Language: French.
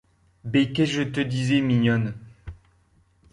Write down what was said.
Bé qu’esse je te disais, mignonne…